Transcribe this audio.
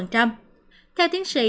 theo tiến sĩ